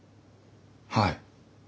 はい。